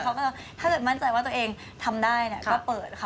เขาก็จะถ้าเกิดมั่นใจว่าตัวเองทำได้เนี่ยก็เปิดค่ะ